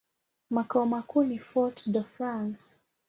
Makao makuu ni Fort-de-France.